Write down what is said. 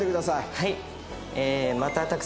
はい。